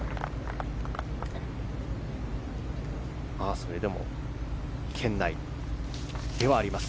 それでも圏内ではあります。